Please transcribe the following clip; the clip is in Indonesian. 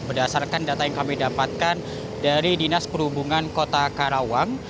berdasarkan data yang kami dapatkan dari dinas perhubungan kota karawang